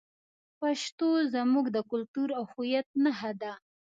پښتو زموږ د کلتور او هویت نښه ده.